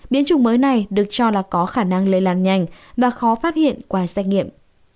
biến chủng mới này được cho là có khả năng lây lan nhanh và khó phát hiện qua xét nghiệm